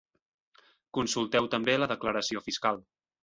Consulteu també la declaració fiscal.